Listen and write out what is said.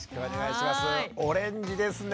オレンジですね。